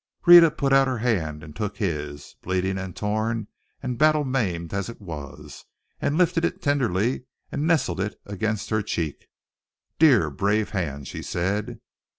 Rhetta put out her hand and took his, bleeding and torn and battle maimed as it was, and lifted it tenderly, and nestled it against her cheek. "Dear, brave hand!" she said.